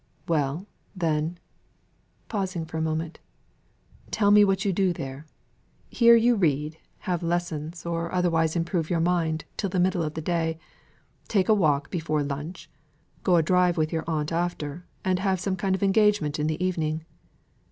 "Well, then" pausing for a moment "tell me what you do there. Here you read, or have lessons, or otherwise improve your mind, till the middle of the day; take a walk before lunch, go a drive with your aunt after, and have some kind of engagement in the evening.